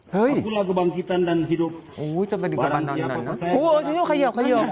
เฮ้ยโอ้โหจะเป็นดิกระบันนั้นนะโอ้โหขยับ